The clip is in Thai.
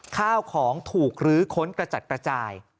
ข้าวของถูกลื้อค้นกระจัดกระจาย